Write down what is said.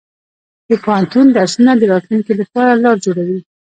د پوهنتون درسونه د راتلونکي لپاره لار جوړوي.